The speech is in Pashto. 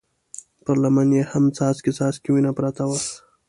پر لمن يې هم څاڅکی څاڅکی وينه پرته وه.